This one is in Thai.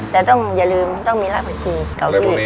แต่ต้องอย่าลืมต้องมีรักพัชชี